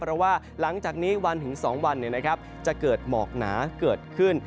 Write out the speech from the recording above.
เพราะว่าหลังจากนี้วันถึง๒วันจะเกิดหมอกหนาเกิดขึ้น